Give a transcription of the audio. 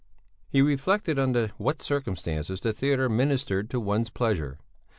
He reflected under what circumstances the theatre ministered to one's pleasure.